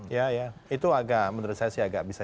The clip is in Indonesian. ya ya itu menurut saya agak bisa